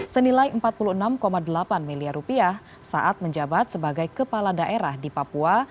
senilai rp empat puluh enam delapan miliar rupiah saat menjabat sebagai kepala daerah di papua